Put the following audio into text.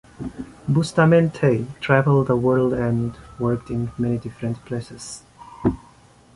Bustamente travelled the world and worked in many different places.